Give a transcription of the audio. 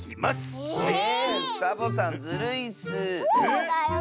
そうだよ。